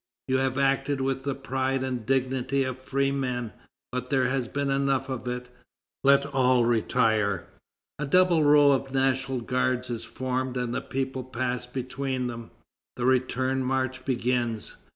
You have acted with the pride and dignity of freemen. But there has been enough of it; let all retire." A double row of National Guards is formed, and the people pass between them. The return march begins.